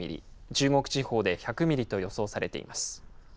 中国地方で１００ミリと予想されています。